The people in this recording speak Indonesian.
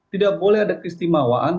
tidak boleh ada kristimawaan